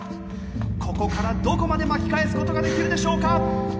ここからどこまで巻き返す事ができるでしょうか？